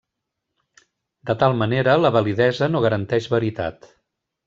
De tal manera, la validesa no garanteix veritat.